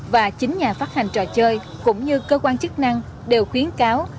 và chính nhà phát hành trò chơi cũng như cơ quan chức năng đều khuyến cáo